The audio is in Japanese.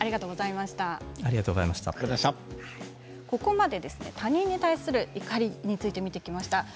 ここまで他人に対するイライラ、怒りについて見てきました。